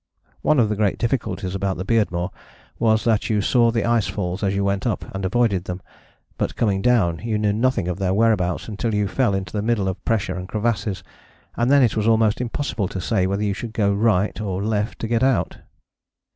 One of the great difficulties about the Beardmore was that you saw the ice falls as you went up, and avoided them, but coming down you knew nothing of their whereabouts until you fell into the middle of pressure and crevasses, and then it was almost impossible to say whether you should go right or left to get out.